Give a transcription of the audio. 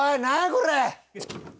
これ！